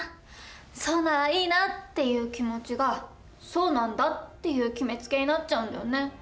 「そうならいいな」っていう気持ちが「そうなんだ」っていう決めつけになっちゃうんだよね。